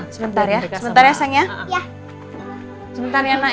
sebentar ya seng